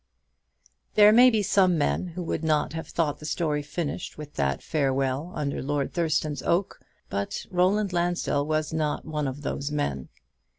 There may be some men who would not have thought the story finished with that farewell under Lord Thurston's oak; but Roland Lansdell was not one of those men.